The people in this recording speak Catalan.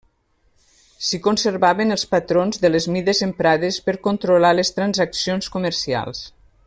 S'hi conservaven els patrons de les mides emprades per controlar les transaccions comercials.